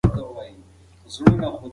هغه د رښتيا ويلو پلوی و.